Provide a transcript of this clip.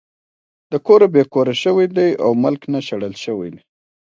د کوره بې کوره شوے دے او ملک نه شړلے شوے دے